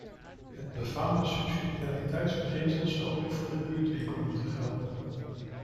Het befaamde subsidiariteitsbeginsel zou ook voor de buurtwinkel moeten gelden.